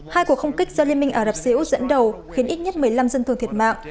hai cuộc không kích do liên minh ả rập xê út dẫn đầu khiến ít nhất một mươi năm dân thường thiệt mạng